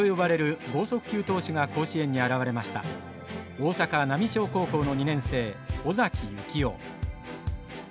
大阪浪商高校の２年生尾崎行雄。